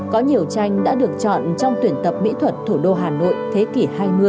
có nhiều tranh đã được chọn trong tuyển tập mỹ thuật thủ đô hà nội thế kỷ hai mươi